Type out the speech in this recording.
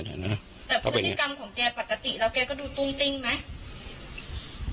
แต่พฤติกรรมของแกปกติแล้วแกก็ดูตุ้งติ้งไหม